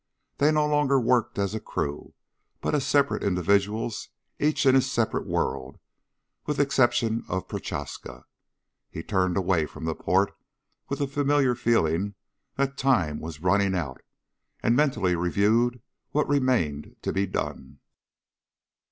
They no longer worked as a crew, but as separate individuals, each in his separate world, with exception of Prochaska. He turned away from the port with the familiar feeling that time was running out, and mentally reviewed what remained to be done.